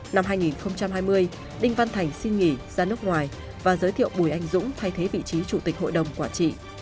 năm hai nghìn hai mươi đinh văn thành xin nghỉ ra nước ngoài và giới thiệu bùi anh dũng thay thế vị trí chủ tịch hội đồng quản trị